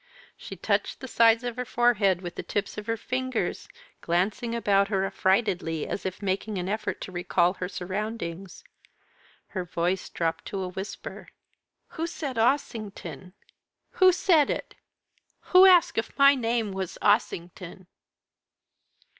She touched the sides of her forehead with the tips of her fingers, glancing about her affrightedly, as if making an effort to recall her surroundings. Her voice dropped to a whisper. "Who said Ossington? Who said it? Who asked if my name was Ossington?"